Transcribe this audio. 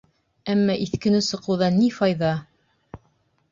Әммә иҫкене соҡоуҙан ни файҙа?